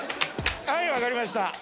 はい分かりました。